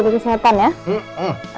jaga kesehatan ya